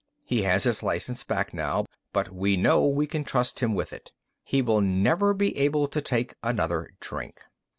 "He has his license back now, but we know we can trust him with it. He will never be able to take another drink.